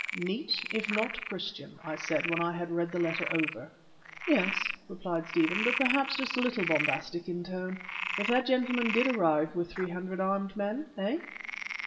"Neat, if not Christian," I said when I had read the letter over. "Yes," replied Stephen, "but perhaps just a little bombastic in tone. If that gentleman did arrive with three hundred armed men eh?"